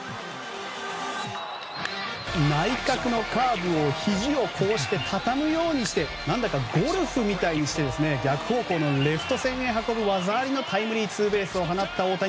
内角のカーブをひじを畳むようにして何だかゴルフみたいにして逆方向のレフト線に運ぶ技ありのタイムリーツーベースを放った大谷。